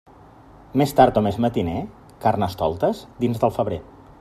Més tard o més matiner, Carnestoltes, dins del febrer.